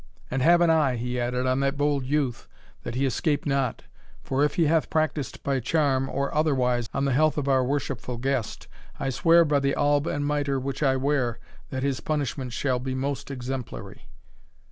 "And have an eye," he added, "on that bold youth, that he escape not; for if he hath practised by charm, or otherwise, on the health of our worshipful guest, I swear by the alb and mitre which I wear, that his punishment shall be most exemplary."